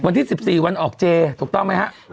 วันที่๑๔วันออกเจถูกต้องไหมครับ